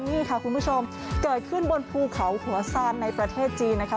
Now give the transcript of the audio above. นี่ค่ะคุณผู้ชมเกิดขึ้นบนภูเขาหัวซานในประเทศจีนนะคะ